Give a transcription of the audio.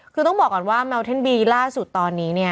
คือต้องบอกก่อนว่าแมวเทนบีล่าสุดตอนนี้เนี่ย